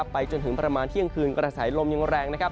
ไปจนถึงประมาณเที่ยงคืนกระแสลมยังแรงนะครับ